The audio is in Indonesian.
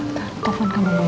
ntar telfon kamu dulu